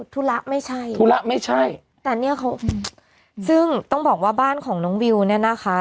ธุระไม่ใช่ธุระไม่ใช่แต่เนี้ยเขาซึ่งต้องบอกว่าบ้านของน้องวิวเนี่ยนะคะ